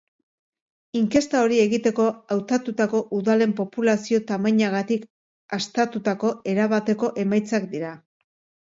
Inkesta hori egiteko hautatutako udalen populazio-tamainagatik haztatutako erabateko emaitzak dira.